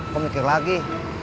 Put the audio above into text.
kok mikir lagi